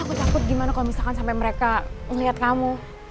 aku takut gimana kalo misalkan sampe mereka ngeliat kamu